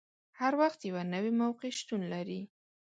هر وخت یوه نوې موقع شتون لري.